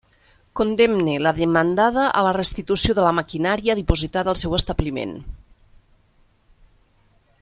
Condemne la demandada a la restitució de la maquinària dipositada al seu establiment.